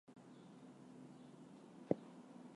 Let us find other options, he proposed.